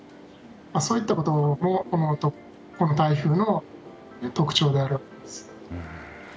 そういったこともこの台風の特徴であると思います。